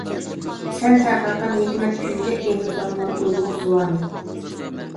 سەن تارقاتقان ھېكمەت كۈيىدە ئېغىزلانغان ئۇيغۇر زۇۋانى.